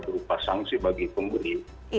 berupa sanksi bagi pemberi